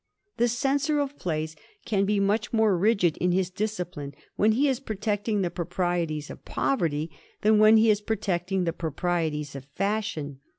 The censor of plays can be much more rigid in his discipline when he is protecting the proprieties of poverty than when he is protecting the proprieties of fashion.